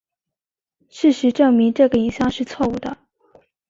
事实证明这个影像是错误的。